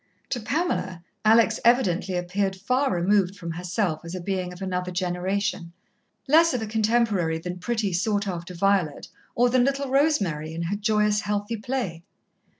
To Pamela, Alex evidently appeared far removed from herself as a being of another generation, less of a contemporary than pretty, sought after Violet, or than little Rosemary in her joyous, healthy play.